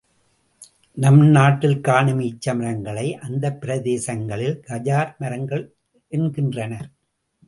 நம் நாட்டில் காணும் ஈச்சமரங்களை அந்தப் பிரதேசங்களில் கஜுர் மரங்கள் என்கின்றனர்.